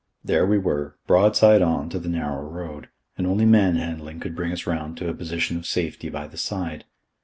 There we were, broadside on to the narrow road, and only manhandling could bring us round to a position of safety by the side.